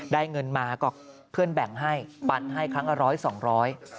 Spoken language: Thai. ได้เงินมาเพื่อนแบ่งให้ปรันให้ครั้งก็๑๐๐๒๐๐บาท